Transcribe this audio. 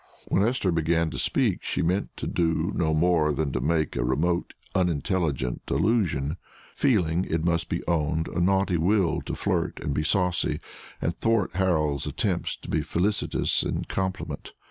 When Esther began to speak, she meant to do no more than make a remote unintelligible allusion, feeling, it must be owned, a naughty will to flirt and be saucy, and thwart Harold's attempts to be felicitous in compliment.